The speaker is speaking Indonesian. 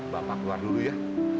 bapak keluar dulu ya